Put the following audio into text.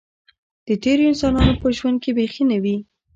د تېرو انسانانو په ژوند کې بیخي نه وې.